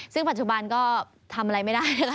ซึ่งปัจจุบันก็ทำอะไรไม่ได้แล้ว